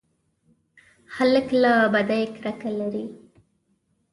هلک له بدۍ کرکه لري.